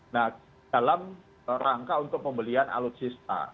nah dalam rangka untuk pembelian alutsista